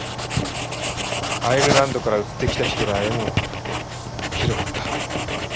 アイルランドから移ってきた人らあへもひどかった。